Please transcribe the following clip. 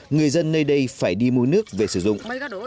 người dân nơi đây phải đi mua nước về sử dụng